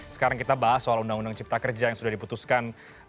sekarang kita bahas soal undang undang cipta kerja yang sudah diputuskan